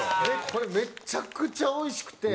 これめっちゃくちゃおいしくて。